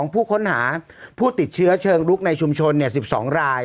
ผู้ค้นหาผู้ติดเชื้อเชิงลุกในชุมชน๑๒ราย